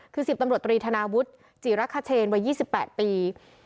คือ๑๐ตำรวจตรีธนาวุฒิจิรคเชนวัย๒๘ปี